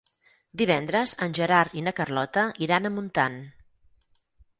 Divendres en Gerard i na Carlota iran a Montant.